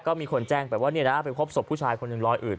ก็มีคนแจ้งไปว่าไปพบศพผู้ชายคนหนึ่งรอยอืด